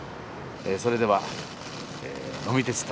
それでは呑み鉄旅